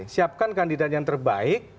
siapkan kandidat yang terbaik